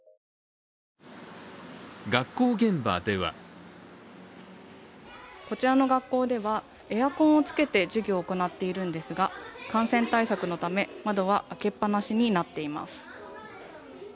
学校現場ではこちらの学校では、エアコンをつけて授業を行っているんですが感染対策のため、窓は開けっぱなしになっています。